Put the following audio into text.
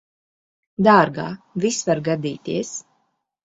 Dārgā, viss var gadīties.